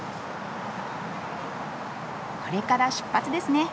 これから出発ですね。